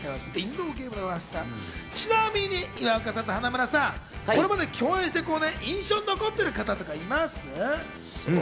ちなみに岩岡さんと花村さん、これまで共演して印象に残っている方とかいます？